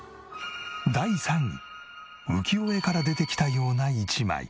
浮世絵から出てきたような一枚。